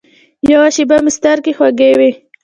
یوه شېبه مې سترګې خوږې وې.